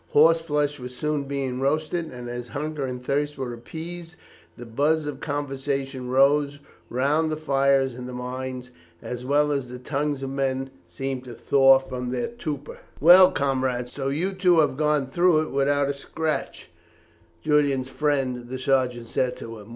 Horse flesh was soon being roasted, and as hunger and thirst were appeased, the buzz of conversation rose round the fires, and the minds as well as the tongues of men seemed to thaw from their torpor. "Well, comrade, so you too have gone through it without a scratch," Julian's friend, the sergeant, said to him.